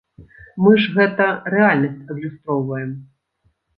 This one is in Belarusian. Мы ж, гэта, рэальнасць адлюстроўваем.